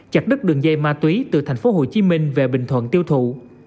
chặt đứt đường dây ma túy từ thành phố hồ chí minh về bình thuận tiêu thụ